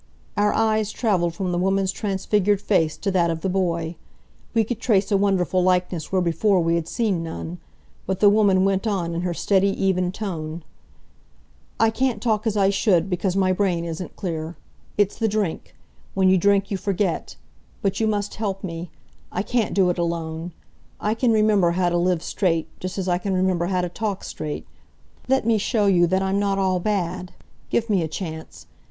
Our eyes traveled from the woman's transfigured face to that of the boy. We could trace a wonderful likeness where before we had seen none. But the woman went on in her steady, even tone. "I can't talk as I should, because my brain isn't clear. It's the drink. When you drink, you forget. But you must help me. I can't do it alone. I can remember how to live straight, just as I can remember how to talk straight. Let me show you that I'm not all bad. Give me a chance.